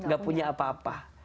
gak punya apa apa